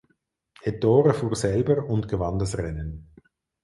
Ettore fuhr selber und gewann das Rennen.